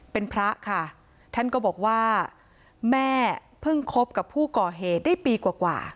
เป็นพระค่ะท่านก็บอกว่าแม่เพิ่งคบกับผู้ก่อเหตุได้ปีกว่า